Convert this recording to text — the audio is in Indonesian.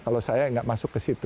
kalau saya nggak masuk ke situ